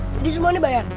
jadi semua ini bayar